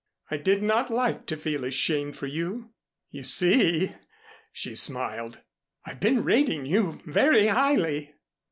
I did not like to feel ashamed for you. You see," she smiled, "I've been rating you very highly."